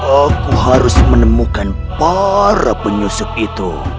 aku harus menemukan para penyusuk itu